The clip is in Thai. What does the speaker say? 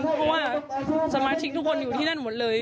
เพราะว่าสมาชิกทุกคนอยู่ที่นั่นหมดเลย